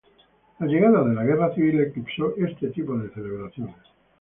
La llegada de la Guerra Civil, eclipso este tipo de celebraciones.